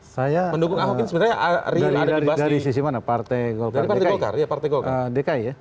saya mendukung ahok ini sebenarnya dari sisi mana partai golkar dki